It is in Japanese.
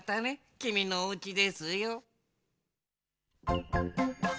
きみのおうちですよ。